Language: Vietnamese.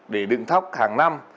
để đựng thóc hàng năm